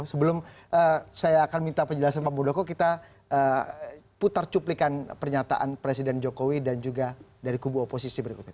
sebelum saya akan minta penjelasan pak muldoko kita putar cuplikan pernyataan presiden jokowi dan juga dari kubu oposisi berikutnya